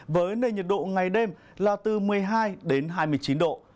với nền nhiệt độ ngày đêm là từ một mươi hai đến hai mươi chín độ